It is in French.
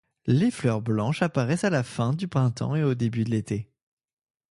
Les fleurs blanches apparaissent à la fin du printemps et au début de l'été.